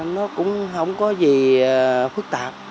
nó cũng không có gì phức tạp